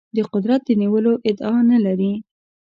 د قدرت د نیولو ادعا نه لري.